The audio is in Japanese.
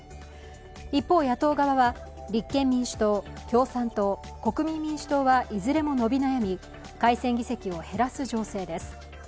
一方、野党側は、立憲民主党、共産党国民民主党はいずれも伸び悩み改選議席を減らす情勢です。